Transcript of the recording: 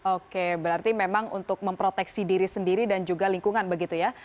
oke berarti memang untuk memproteksi diri sendiri dan juga lingkungan begitu ya